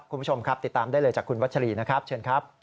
คุณผู้ชมครับติดตามได้เลยจากคุณวัชรีนะครับเชิญครับ